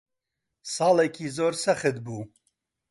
ساڵێکی زۆر سەخت بوو.